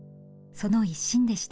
その一心でした。